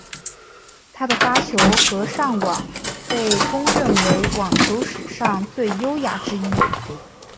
他的发球和上网被公认为网球史上最优雅之一。